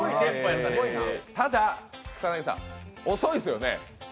ただ、草薙さん遅いですよね？